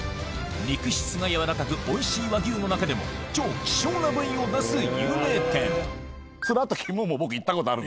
肉質が軟らかくおいしい和牛の中でも超希少な部位を出す有名店「ツラとキモ」も。